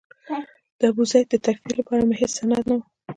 د ابوزید د تکفیر لپاره مې هېڅ سند نه و.